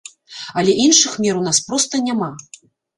Але іншых мер у нас проста няма!